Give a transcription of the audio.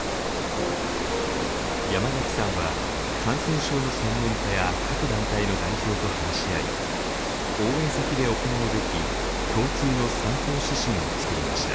山崎さんは感染症の専門家や各団体の代表と話し合い応援先で行うべき共通の「参考指針」を作りました。